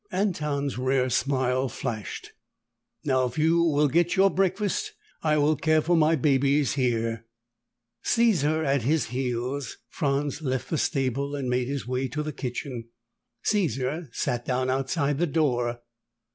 Anton's rare smile flashed. "Now, if you will get your breakfast, I will care for my babies here." Caesar at his heels, Franz left the stable and made his way to the kitchen. Caesar sat down outside the door.